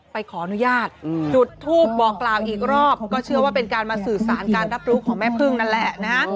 ไปขออนุญาตจุดทูปบอกกล่าวอีกรอบก็เชื่อว่าเป็นการมาสื่อสารการรับรู้ของแม่พึ่งนั่นแหละนะฮะ